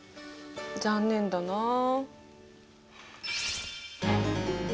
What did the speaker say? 残念だなあ。